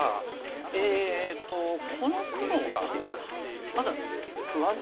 えっとこの黒がまだ不安定ですよね。